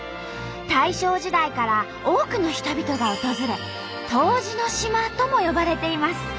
大正時代から多くの人々が訪れ「湯治の島」とも呼ばれています。